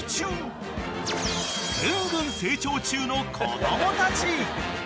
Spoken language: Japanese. ［ぐんぐん成長中の子供たち］